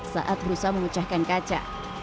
saat berusaha mengecahkan kaca